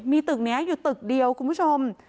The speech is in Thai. มีตึกนี้อยู่ตึกเดียวคุณผู้ชม